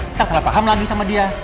kita salah paham lagi sama dia